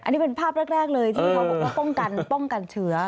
อันนี้เป็นภาพแรกเลยที่เขาบอกว่าป้องกันป้องกันเชื้อ